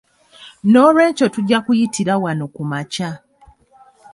Noolwekyo tujja kuyitira wano ku makya.